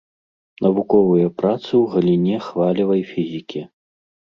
Навуковыя працы ў галіне хвалевай фізікі.